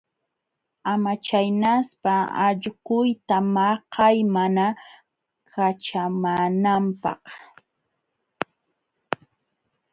Ama chaynaspa allquyta maqay mana kaćhumaananpaq.